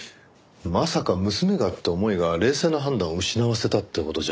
まさか娘がって思いが冷静な判断を失わせたって事じゃありません？